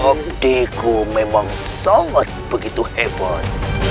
optiku memang sangat begitu hebat